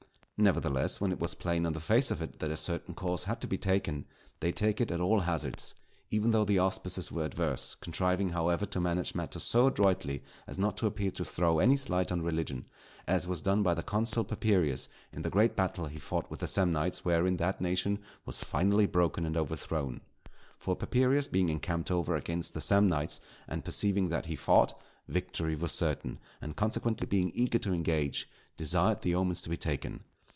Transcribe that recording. Nevertheless, when it was plain on the face of it that a certain course had to be taken, they would take it at all hazards, even though the auspices were adverse; contriving, however, to manage matters so adroitly as not to appear to throw any slight on religion; as was done by the consul Papirius in the great battle he fought with the Samnites wherein that nation was finally broken and overthrown. For Papirius being encamped over against the Samnites, and perceiving that if he fought, victory was certain, and consequently being eager to engage, desired the omens to be taken.